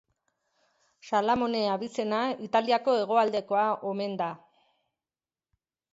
Salamone abizena Italiako hegoaldekoa omen da.